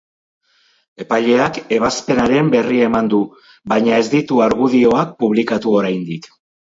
Epaileak ebazpenaren berri eman du, baina ez ditu argudioak publikatu oraindik.